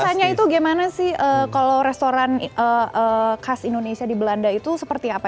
rasanya itu gimana sih kalau restoran khas indonesia di belanda itu seperti apa